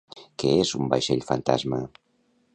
Què és un vaixell fantasma?